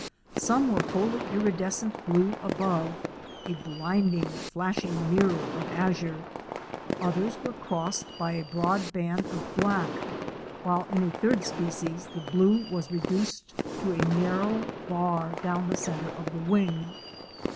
Some were wholly iridescent blue above — a blinding, flash ing mirror of azure; others were crossed by a broad band of black, while in a third species the blue was reduced to a narrow bar down the centre of the wing.